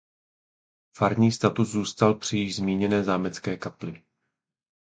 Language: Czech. Farní status zůstal při již zmíněné zámecké kapli.